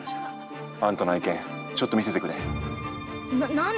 あんたの愛犬、ちょっと見せてくれ。